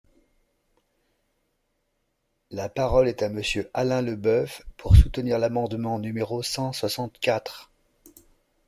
La parole est à Monsieur Alain Leboeuf, pour soutenir l’amendement numéro cent soixante-quatre.